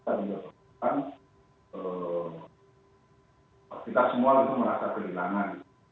karena kita juga merasa kita semua merasa kehilangan